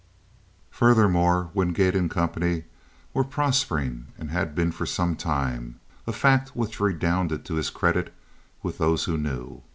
Furthermore, Wingate & Co. were prospering, and had been for some time, a fact which redounded to his credit with those who knew.